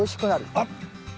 あっ！